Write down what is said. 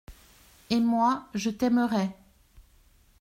Et moi, je t’aimerai.